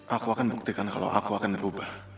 aku akan buktikan kalau aku akan dirubah